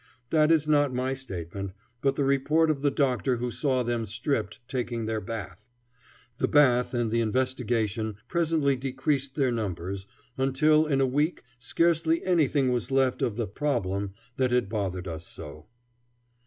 That is not my statement, but the report of the doctor who saw them stripped, taking their bath. The bath and the investigation presently decreased their numbers, until in a week scarcely anything was left of the "problem" that had bothered us so.